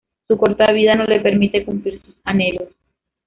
Su corta vida no le permite cumplir sus anhelos.